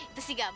itu sih gampang